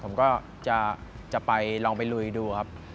ผมก็จะไปลองไปลุยดูครับ